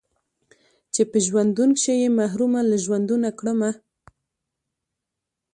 چې په ژوندون کښې يې محرومه له ژوندونه کړمه